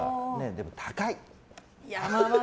でも、高い。